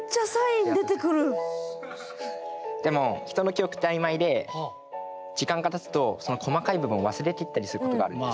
でも人の記憶って曖昧で時間がたつとその細かい部分を忘れていったりすることがあるんです。